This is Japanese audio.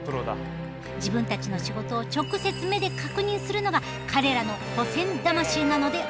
自分たちの仕事を直接目で確認するのが彼らの保線魂なのであります。